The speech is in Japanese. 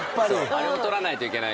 あれを撮らないといけないから。